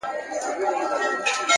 هوښیار انسان فرصتونه ساتي,